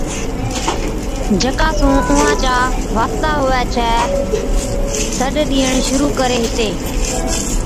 جڪا سُون اُونھان چا واسطا ھُوي ڇَي، سڏ ڏيئڻ شرُوع ڪري ھِتي۔